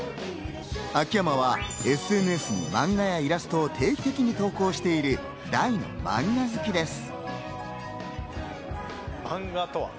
秋山はＳＮＳにマンガやイラストを定期的に投稿している大のマンガ好きです。